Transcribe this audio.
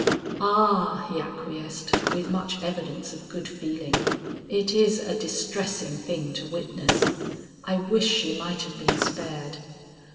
"Ah!" he acquiesced, with much evidence of good feeling, "it is a distressing thing to witness. I wish she might have been spared.